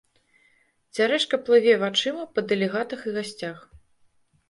Цярэшка плыве вачыма па дэлегатах і гасцях.